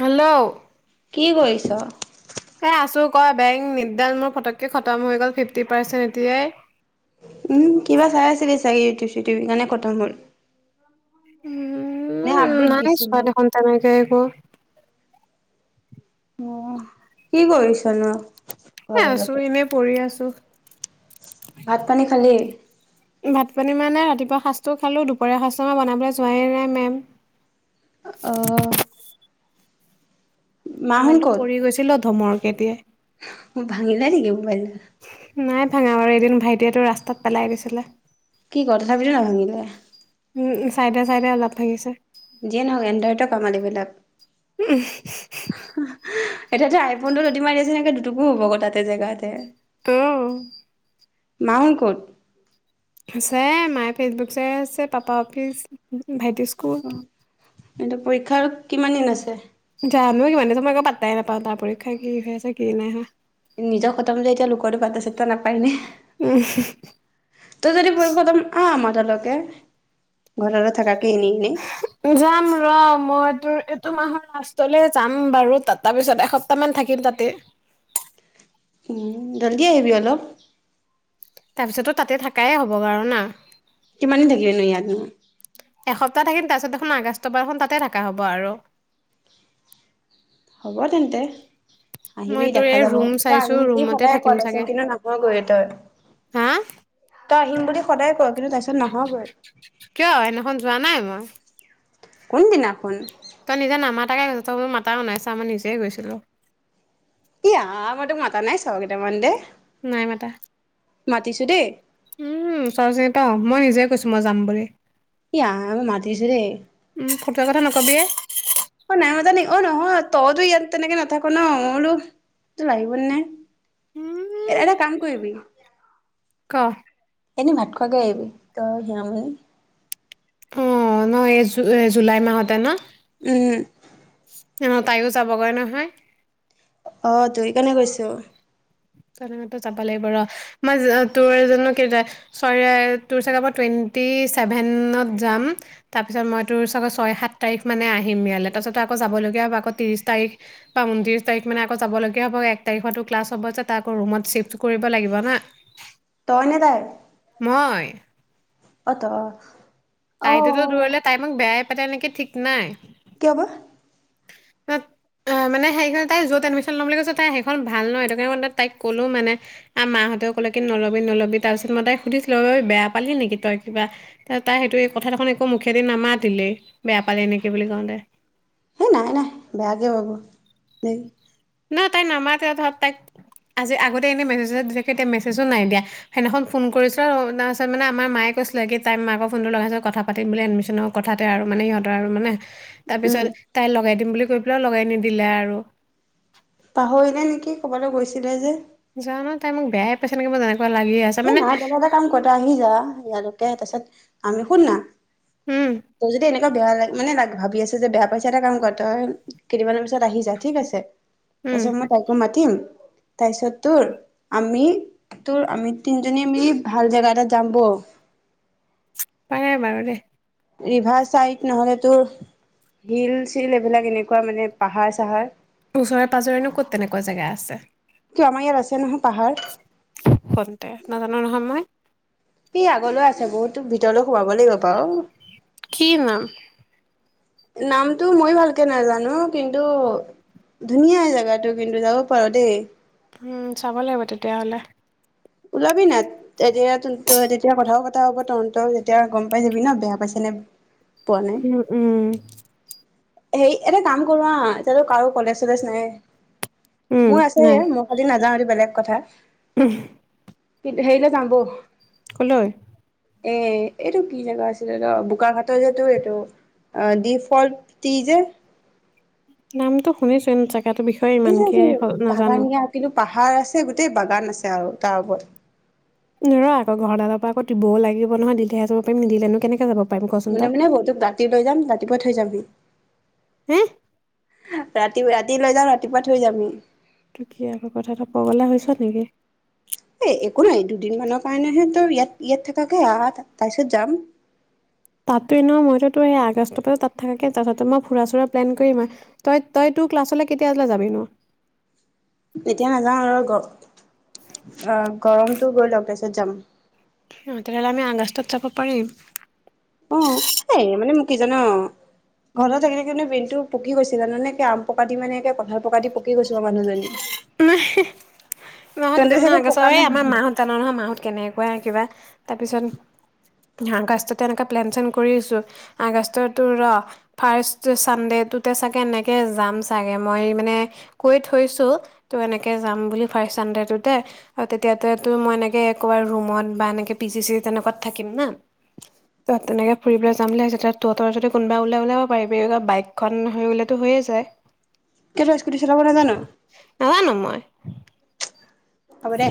Hello. কি কৰিছ। হে আছো ক বেং মোৰক। উম, কিবা চাই আছিলি চাগে ইউটিউব চিটিউবিৰ কাৰণে কটম হ'ল। নে উম, আপডেট নাইছোৱা দিছিলে। এখন তেনেকে একো। অঁ, কি কৰিছ নো? এ, আছো এনেই পঢ়ি আছো। ভাত পানী খালি? ভাত পানী মান নাই ৰাতিপুৱা সাঁজটোও খালোঁ দুপৰীয়া সাঁজমাৰ বনাবলৈ যোৱেই নাই মেম। অঁ। মোবাইলতটো পৰি গৈছিলে। প্ৰথমৰ। ভাঙিল নেকি মোবাইল? নাই। ভাঙা, আৰু এদিন ভাইটিয়েটো ৰাস্তাত পেলাই গৈছিলে। কি কথাত ভাঙিলে। উম, চাইডে চাইদে অলপ ভাগিছে। যিয়ে নহওক এনডয়তো কমাল এইিবিলাক। উম। এতিয়া যে আইফোনটো লদি মাৰিছে তেনেকে দুটোকো হ'ব ক তাতে জেগাতে। অঁ। মা হঁত ক'ত? আছে মায়ে ফেচবুক চাই আছে পাপা অফিচ। ভাইটি স্কুল। কিন্তু পৰীক্ষাৰ কিমান দিন আছে। জানো কিমান দি মই আকৌ পাত্তাই নাপাওঁ তাৰ পৰীক্ষা কি হৈ আছে কি নাই হোৱা। নিজৰ খতম যে এতিয়া লোকৰ টো পাতা চাতা নাপায়নে উম তই যদি খতম আহ আমাক। লকে ঘৰৰত। [unintelligible] যাম ৰ মই তোৰ এইটো মাহত। লাষ্টলে যাম বাৰু তাৰ পিছত এসপ্তাহ মান থাকিম তাতে। উম জলদি আহিবি অলপ। তাৰপিছতো তাতে থাকাই হ'ব বাৰু না। কিমান দিন থাকিবি নো ইয়াত নো। এসপ্তাহ থাকিম তাৰ পিছত দেখোন আগষ্ট পা দেখুন তাতে থাকা হ'ব আৰু। হ'ব তেন্তে। আহিবি মই তোৰ দেখা এই যাব ৰুম তই চাইছো আহিম বুলি ৰুমতে সদায় থাকিম কোৱা আছ চাগে। কিন্তু নাহয়গৈ তই। হা ত আহিম বুলি সদায় কৱ। কিয় এনাখন যোৱা নাই মই। কোনদিনাখন। তই নিজে নামাতাকে গৈছ তই মোৰ মাতাও নাই ছা মই নিজেই গৈছিলো। এয়া আহ মই তোক মাতা নাই চৰ কেইটামান দে। নাই মাতা। মাতিছো দেই। উম চৰ চিনী মই নিজে কৈছো মই যাম বুলি। এয়া মতিছো দেই। ফতোৱা কথা নকবি। অ নাই মতা নেকি অ নহয় তইতো ইয়াত তেনেকে নাথাক ন মই বোলো লাগিব নে। উম এটা কাম। কি কৰিবি। ক। এনেই ভাত খোৱাকে আহিবি তই সিয়ামণী। অ নহ এই জুলাই মাহতে ন। উম ন তাইও যাবগৈ নহয়। অ ত সেইকাৰণে কৈছো। লাগ ৰ মই তোৰ জো তোৰ চাগে ম টুৱেন্টি ছেভেনত যাম তাৰপিছত মই তোৰ চাগে ছয় সাত তাৰিখ মানে আহিম ইয়ালে তাৰপিছতো আকৌ যাব লগীয়া হ'ব আকৌ ত্ৰিশ তাৰিখ বা ঊণত্ৰিশ তাৰিখ মানে আকৌ যাব লগগীয়া হ'ব এক তাৰিখো ক্লাছ হ'ব। এটা আকৌ ৰুমত চিফট কৰিব লাগিব হা। তই এনে তাই নযায়। মই। অ তই। অ তাইতেতো দূৰিলে তাই মাক বেয়াই। ত এনেকে ঠিক নাই্ কি হব! মানে সেইখনে তাই য'ত এডমিশ্যন ল'ম বুলি কৈছ তাই সেইখন ভাল নহয় সেইটো কাৰণে তাইক কলো মানে মাহঁতেও ক'লে কি নলবি নলবি তাৰপিছত মই তাইক সুধিছিলো বেয়া পালি নেকি তই কিবা ত তাই সেইটো কথা দে একো মুখেদি নামাতি দলেই বেয়া পালে এনেকে বুলি কওঁতে। সেই নাই নাই বেয়া কিয় হৈ গল। ন তাইক নামাতে ধৰক তাইক আজি আগতে এনেই মেছেজত দি থাকেতি মেছেজো নাইয়া সেইদিনাখন ফোন কৰিছিলো আৰু তাৰপিছ মানে আমাৰ মায়ে কৈছিলে কি তাই মাকৰ ফোনটো লগাইত কথা পাতিম বুলি এডমিশ্যননৰ কথাতে আৰু মানে সিহঁৰ আৰু মানে। তাৰ উম পিছত তাই লগাই দিম বুলি। গৈ পেলাই লগাই নিদিলে আৰু। পাহৰিনে নেকি কৰ'ৰবালাত গৈছিলে যে। জানো তাই মোক বেয়াই পাইছে নেকি মই জানো। সেই নহয় তেনে এটা কাম কৰতে আহি যা ইয়ালৈকে তাৰ পিছত। আমি শুন না। উম তোৰ যদি এনেকুৱা বেয়া লাগে। মানে ভাবি আছো যে বেয়া পাইছো এটা কাম কৰ তই কেইদ মানৰ পিছত আহি যায় ঠিক আছে। তাৰ উম পিছত মই তাকেই মাতিম। তাৰপিছত তোৰ আমি তোৰ আমি। তিনিজনী মিলি ভাল জেগা এটাত যাম বল। নোৱাৰো দেই। ৰিভাৰ চাইড নহ'লেতো হিল চিল এইবিলাক এনেকুৱা মানে পাহাৰ চাহাৰ। ওচৰে পাজৰেনো কত তেনেকুৱা জেগা আছে কিয় আমাৰ ইয়াত আছে নহয় পাহাৰ কতে নাজানো নহয় মই। সআগলৈ আছে বহুতো ভিতৰলৈ সোমাব লাগিব। বাৰু কি নাম? নামটো মই ভালকে নাজানো কিন্তু ধুনীয়া জোগাতটো কিন্তু যাব পাৰো দেই। চাব লাগিব তেতিয়াহ'লে। ওলাব নাই, তেতিয়া তেতিয়া কথাও পাতিম। তই আকৌ তহঁতেও তেতিয়া গম পাই যাবি ন বেয়া পাইছে নে, উম উম। সেই এটা কাম কৰো আ এতিয়াাতো কাৰো কলেজ চলেজ নাই। উম মোৰ আছে নাই মই খালি নাযাওঁ। বেলেগ কথা। উম। কি সেইলে যাওঁ বৈ। কলৈ। এ এইটো কি জেগা আছিলে বোকাঘাটৰ যেটো এইটো ডিফল্টটি যে, নামটো শুনিছো চাগে, এই যে, এইোৰ বাগানিয়া কিন্তু পাহাৰ আছে গোটেই, বাগান আছে আৰু তাৰ ওপৰত নোৱাৰো আকৌ ঘৰদালৰ পৰা আকৌ দিবও লাগিব নহয় দিলেহে যাব পাৰিম নিদিলেনো কেনেকে যাব। পাৰিম কচোন মনে তই মনে মই তোক ৰাতি লৈ যাম ৰাতিপুৱাই থৈ যাম হি, [unintelligible] হা। ৰাতি ৰাতি লৈ যাাম ৰাতিপুৱা থৈ যাম সি। তই কি এইবোৰ কথাত ও পগলা হৈছ নেকি? এ একো নাই দুদিনমানানৰ কাৰণেহে তো ইয়াত ইয়াত থাকাকে আহ তাৰ পিছত যাম। তাতো ন মইতো তোৰ সেই আগষ্টৰ পৰা তাত থকা কে তাৰপিছত মই ফুৰা চুৰা প্লেন কৰিম আৰু তই তই তোৰ ক্লাছলৈ কেতিয়ালৈ যাবি নো? এতিয়া নাযাওঁ আৰু গপ অ, গৰমটো গৈ' লওক তাৰপিছত যাম। আহ তেতিয়াহ'লে আমি আগষ্টত যাব পাৰিম। অঁ, এ মানে মকি জান ঘৰতৰত থাকিল কি ব্ৰেইনতটো পকি গৈছিল জানো আম পকা দি মানে কঁঠাল পকা দি পকি গৈছো মানুহজনী। হে হে মা হত তেন্তে তেতিয়া মানে চাগে আগৰ পকা নাই আমাৰ মা হত জানোঁ নহয় মা হত কেনেকুৱা কিবা, তাৰপিছত আগষ্টতে এনে প্লেন চেলেন কৰি আগষ্টতো ৰ ফাৰ্ষ্ট ছানডে টোতে চাগে এনেকে যাম চাগে মই মানে কৈ থৈছো। ত' এনেকে যাম বুলি ফাৰ্ষ্ট ছানডে টোতে আৰু তেতিয়াতে তো মই এনেকে কবাৰ ৰুমত বা এনেকে পি জি চি তেনেকুৱত থাকিম না ত তেনেকে ফুৰিবলৈ যাম বুলি ভাব তহঁতৰ যদি কোনোবা ওলাই ওলিয়াব পাৰিবি বাইকখন হৈ উলালে টো হৈয়ে যায়। কি তই স্কুটি চলাব নাজান নাজানো মই। হ'ব দে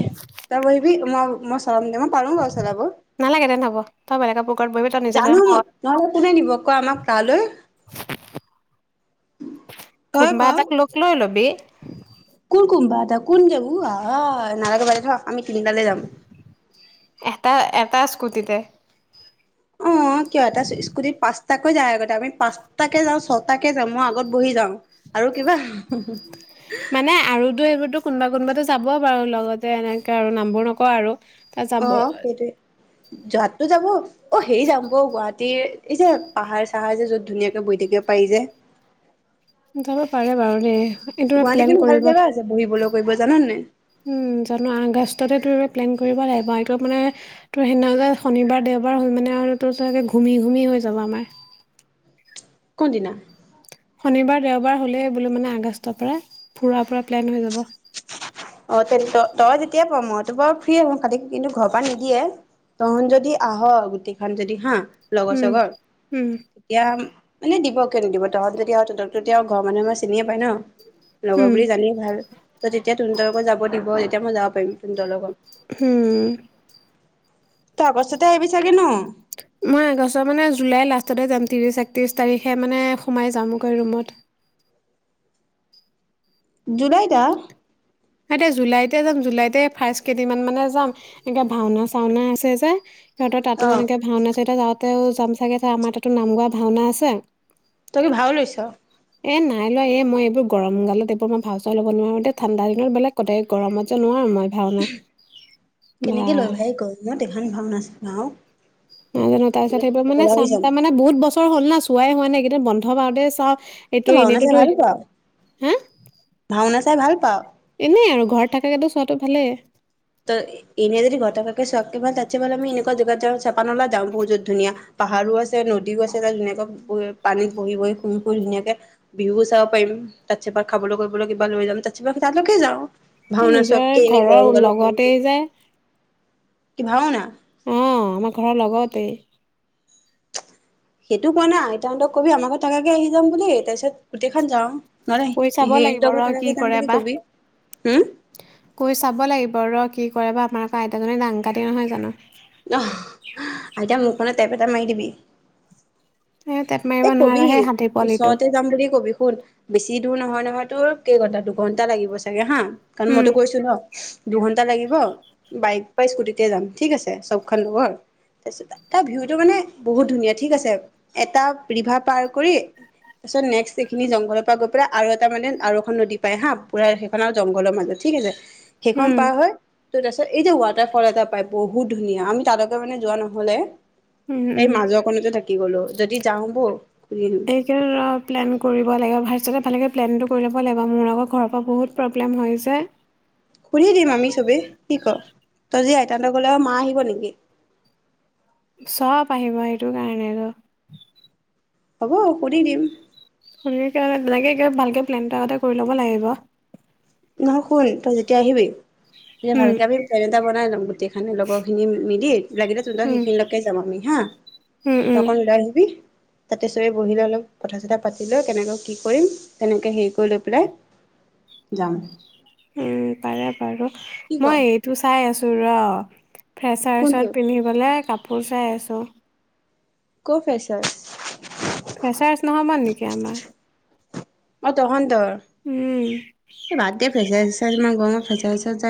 তই বহিবি। মই মই চলাম। মই পাৰো বাৰু চলাব, নালাগে তেন্তে হ'ব তই বেলেগৰ পুকৰত বহিবি তই নিজে জানো চলাবি, মই নহলে কোনে নিব ক আমাক তালৈ তই ক। কোনোবা এটাক লগ লৈ [unintelligible] কোঁন কোনবা এটা কোন যাব, আহ নালাগে যাবলে থ। আমি তিনিটালে যাম এটা এটা। ইস্ক্যুতিতে। অ, কিয় এটা স্কুটিত পাঁচ। তাতকৈ যায় আগতে আমি পাঁচটাকে যাওঁ, ছটাকে যাওঁ মই আগত বহি যাওঁ আৰু কিবা। মানে, আৰুতো এইবোৰতো কোনোবা কোনোবাটো যাব বাৰু লগতে এনেকে আৰু নামবোৰ নকওঁ আৰু। তা অ, যাব সেইটোৱে যোৱাততটো যাব অ সেৰি যাম বৈ গুৱাহাটী। এই যে, পাহাৰ চাহাৰ যে যত ধুনীয়াকে বৈ থাকিব পাৰি যে। যাব পাৰে বাৰু দেই। এইটো গুৱাহাটী প্লেন কিন্তু ভাল কৰিব, জেগা আছে বহিবলৈ কৰিব জান নাই উম জানো আগষ্টতে। প্লেন কৰিব লাগিব, এইটো মানে তোৰ সেইদিনা যে শনিবাৰ দেওবাৰ হ'ল মানে আৰু তোৰ চাগৈ ঘুমি ঘুমি হৈ যাব আমাৰ। কোনদিনা? শনিবাৰ দেওবাৰ হ'লেই বোলো মানে আগষ্টৰ পৰা ফুৰাৰ পৰা প্লেন হৈ যাব। অ, ত তই যেতিয়াই পাৰ মইতো বাৰু ফ্ৰী আহো খালি কিন্তু ঘৰ পৰা নিদিয়ে তহন যদি আহ গোটেইখন যদি হা। লগৰ উম চগৰ, উম এতিয়া। মানে দিব কিয় নিদিব তহঁ যতি তহততি আৰু ঘৰ মানুহ আমাৰ চিনিয়ে পাই ন। লগৰ উম বুলি জানিয়ে ভাল। ত, তেতিয়া। সুন্দৰ কৰি যাব দিব তেতিয়া মই যাব পাৰিম। তহঁতৰ লগত। হম। তাৰ পাছতেচতে আহিবি চাগে ন? মই এগছৰ মানে জুলাই লাষ্টতে যাম ত্ৰিশ একত্ৰিশ তাৰিখে মানে সোমাই যামগৈ ৰুমত। জুলাইত আহ। মই এতিয়া জুলাইতে যাম, জুলাইতে ফাৰ্ষ্ট কেইদিনমান মানে যাম এনেকে ভাওনা চাওনা আছে যে। সিহঁৰ অ তাতো এনেক ভাওনা যাওঁ। যাম চাগৈ ত আমাৰ তাতো নাম গোৱা ভাওনা আছে। তই কি ভাও লৈছ? এ, নাই লোৱা এ মই এইবোৰ গৰম গালত এইবোৰ মই ভা চা ল'ব নোৱাৰো এ ঠাণ্ডা। বেলেগ কথা এই গৰম যে নোৱাৰো মই। ভাওনা কেনেকে লৈ বা ভাই গল মই দেখান ভাও নাছিলো আৰু। নাজানো তাৰপিছত সেইব মানে চামটা মানে বহুত। বছৰ হল না, চোৱাই হোৱা নাই এইকেইদিন বন্ধ বাৰতে চাওঁ। ত এইটো 'ভাওনা চাই এনেইতোতো ভাল পাও? হা ভাওনা চাই ভাল পাও? এনেই আৰু ঘৰত থাকাকেতো চোৱাটো ভালেই। ত' এনেই যদি ঘটাকাকে চোৱাতকে ভাল তাটচে ভাল আমি এনেকুৱা জেগাত যাওঁ চাপা -নলা যাও যত বহুত ধুনীয়া, পাহাৰো আছে, নদীও আছে তাত ধুনীয়াকৈ পানীত বহি- বহি শুই -ফুই ধুনিয়াকে বিহুও চাব পাৰিম তাত চেপা খাবলৈ কৰিবলৈ কিবা লৈ যাম তাত চেপা তালৈকে যাওঁ। ভাওঁনা চোৱাতকে এনেই গৰম খনত। তে যায়। কি ভাওনা? অহ ' আমাৰ ঘৰৰ লগতে। সেইটো কোৱা নাই আইতা হন্তক কবি আমাৰ ঘৰত থাকাকে আহি যাম বুলি তাৰপিছত গোটেইখন যাওঁ নহ'লে কৈ চাব লাগিব সিহঁতৰ ঘৰত ৰ' কি থাকাকে যাম কৰে বুলি বা কবি। হুম? কৈ চাব লাগিব ৰ' কি কৰে বা আমাৰ আকৌ আইতাজনী দাংকাটি নহয় জানো। আহ, আইতা মোক কনে টেপ এটা মাৰি দিবি। এ টেপ অ মাৰিব নোৱাৰা 'কবি সেই হাতী পোৱালিটো ওচৰতে যাম বুলি কবি শুন, বেছি দূৰ নহয়। তোৰ কেই ঘন্টা, দুঘন্টা লাগিব চাগে হা, কাৰণ উম মইতো গৈছো ন দুঘন্টা লাগিব। বাইক বা স্কুটিতে যাম ঠিক আছে চবখন লগৰ তাৰপিছত তাৰ ভিউটো মানে বহুত ধুনীয়া ঠিক আছে এটা, ৰিভা পাৰ কৰি তাৰ পিছত নেক্সট এইখিনি জংঘলৰ পৰা গৈ পেলাই আৰু এটা মানে আৰু এখন নদী পায় হা, পুৰা সেইখন আৰু জংঘলৰ মাজত ঠিক আছে, সেইখন উম পাৰ হয়, ত 'তাৰপিছত এই যে ৱাটাৰফল এটা পাই বহুত ধুনীয়া আমি তালৈকে মানে যোৱা নহলে, এই মাজৰখনতে থাকি গলো, যদি, যাওঁ বৌ ঘূৰি আহিম এইকাৰণে প্লেন কৰিব লাগে ফাৰ্ষ্টতে ভালকে, - প্লেনটো কৰি ল'ব লাগিব মোৰ লগত ঘৰৰ পৰা বহুত প্ৰব্লেম হৈ যে, সুধি দিম আমি চবেই কি ক' তই যি আইতা হঁত গলে মা আহিব নেকি? চব আহিব সেইটো কাৰণে আৰু, হ'ব সুধি দিম। [unintelligible] নহয় শুল তই যেতিয়া আহিবি, - তেতিয়া উম, ভালকে আমি প্লেন এটা বনাই লম গোটেইখানি লগৰ খিনি মিলি লাগিলে তুহনতক উম, সেইখিনিলৈকে যাম আমি হা, উম, তই উম, অকন ওলাই আহিবি। তাতে চবেই বহিলৈ অলপ কথা- চিথা পাতি লৈ কেনেকৈ কি কৰিম তেনেকে হেৰি কৰি লৈ পেলাই, যাম। উম, পাৰে বাৰু কি ক মই এইটো চাই আছো। ৰ', কোনটো ফ্ৰেছাৰছত পিন্ধিবলে কাপ, কাপোৰ চাই আছোঁ। কৰ ফ্ৰেচাৰচ? ফেচাৰচ নহ'ব নেকি আমাৰ। অ ' তহঁতৰ উম, এ', বাদ দে ফ্ৰেছাচ -জেছাচ ইমান গৰমত। আচ্ছা আচ্ছা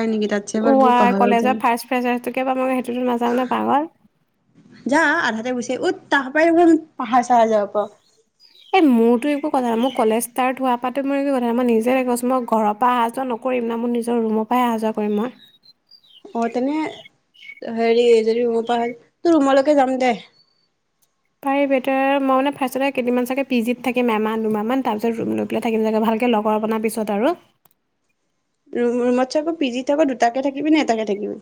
ওৱা কলেজৰ ফাছ ফেছাচটোকে বা মই সেইটোতো নাযাওঁ নে পাগল। যা আধাতে গুচি উত তাৰ পৰাই পাহাৰ চাহাৰ যাব পাৰ এই মোৰতো একো কথা নাই মোৰ কলেজ ষ্টাৰ্ট হোৱাৰ পা তো মোৰ একো কথা নাই মই নিজে কৈছোঁ মই ঘৰৰ পৰা অহা যোৱা নকৰিম না মোৰ নিজৰ ৰুমৰ পৰাহে অহা যোৱা কৰিম মই। অ তেনে হেৰি যদি ৰুমৰ পৰা হয় তোৰ ৰুমলৈকে যাম দে। পাৰি বেটাৰ মই মানে ফাৰ্ষ্টতে কেইদিনমান চাগে পি জিত থাকিম এমাহ দুমাহমান তাৰপিছত ৰুম লৈ পেলাই থাকিম চাগে ভালকে লগৰ বনাৰ পিছত আৰু ৰুমত চকৌ পিজি থাকো দুটাকে থাকিবি নে এটাকে থাকিবি?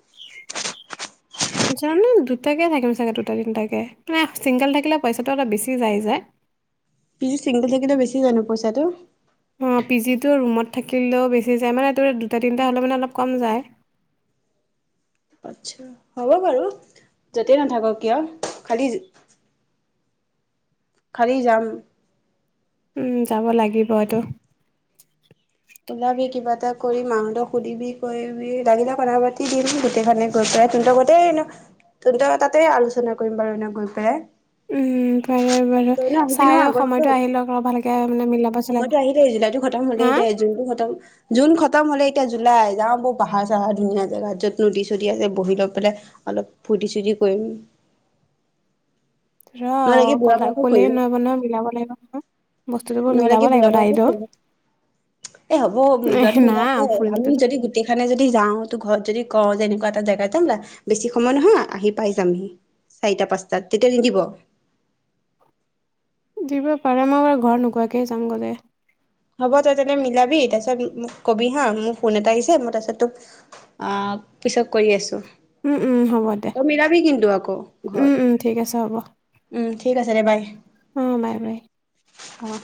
জানোঁ দুটাকে থাকিম চাগে, দুটা তিনিটাকে মানে চিংগল থাকিলে পইচাটো অলপ বেছি যায় যে। পি জিত চিংগল থাকিলে বেছি যায় ন পইচাটো? অ পি জিটো ৰুমত থাকিলেও বেছি যায় মানে এইটো দুটা তিনিটা হ'লে মানে অলপ কম যায় আচ্ছা হ'ব বাৰু যাতেই নাথাকক কিয় খালি। খালি যাম উম যাব লাগিব টো। ওলাবি কিবা এটা কৰি মাহতক সুধিবি কৈবি লাগিলে কথা পাতি দিম গোটেই খনে গৈ পেলাই তহত গোতেই ত ত তাতে আলোচনা কৰিম বাৰু এনেক গৈ পেলাই। উম বাৰে বাৰে তই ন আহিবি চাই নহয় ৰ আগষ্টত সময়তো আহিলক ৰ ভালকে। মানে মিলাব চিলাব সময়তো আহিলেই, জুলাইটো খতম হলেই হা দে জুনতটো খতম জুন খতম হলেই, এতিয়া জুলাই যাওঁ বৌ পাহাৰ চাহাৰ ধুনীয়া জেগাত যত নদী চদী আছে বহি লৈ পেলাই অলপ ফূৰ্তি চূৰ্তি কৰিম। ৰ নহলে কি বুঢ়া কলা বয়সক ক'লেই কৰিম, নহ'ব নহয় মিলাব লাগিব নহয় বস্তুটো বোৰ মিলাব নহলেকি বুঢ়া লাগিব বয়সক তাইতো ফুৰিব? এ হব মিলোৱাটো মিলাম ত, নাই আমি ফুৰিমটোতো যদি গোটেই খানে যদি যাওঁ, তোৰ ঘৰত যদি কওঁ যেনে বা এটা জেগাত যাম, বেছি সময় নহয় আহি পাই যামহি চাৰিটা পাঁচটাত তেতিয়া নিদিব? নিদিব পাৰে। মই ব ঘৰত নোকোৱাকেহে যাং গ'লে। হ'ব তই তেনে মিলাবি তাৰপিছত মোক কবি হা। মোৰ ফোন এটা আহিছে মই তাৰপিছত তোক আহ পিছত কৰি আছো উম উম হ'ব দে তই মিলাবি কিন্তু আকৌ। উম ঘৰত উম ঠিক আছে হ'ব উম ঠিক আছে দে বাই। অঁ বাই বাই অ